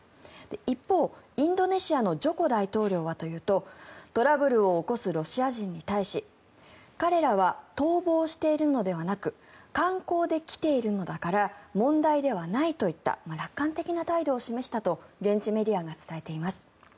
一方、インドネシアのジョコ大統領はというとトラブルを起こすロシア人に対し彼らは逃亡しているのではなく観光で来ているのだから問題ではないといった楽観的な態度を示したと現地メディアが伝えています。